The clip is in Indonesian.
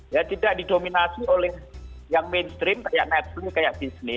ya tidak didominasi oleh yang mainstream kayak netfli kayak disney